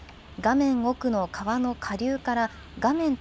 画面奥の川の下流から画面